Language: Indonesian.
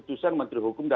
itu untuk embracing kursi